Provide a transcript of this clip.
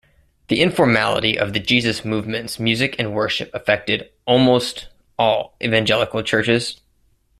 The informality of the Jesus movement's music and worship affected almost all evangelical churches.